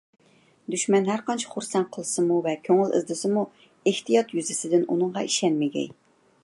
دۈشمەن ھەرقانچە خۇرسەن قىلسىمۇ ۋە كۆڭۈل ئىزدىسىمۇ، ئېھتىيات يۈزىسىدىن ئۇنىڭغا ئىشەنمىگەي.